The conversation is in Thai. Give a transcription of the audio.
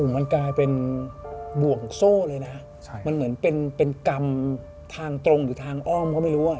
มันกลายเป็นบ่วงโซ่เลยนะมันเหมือนเป็นกรรมทางตรงหรือทางอ้อมก็ไม่รู้อ่ะ